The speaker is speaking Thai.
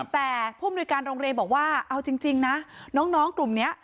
แต่ภูมิโดยการโรงเรียนบอกว่าเอาจริงจริงนะน้องน้องกลุ่มเนี้ย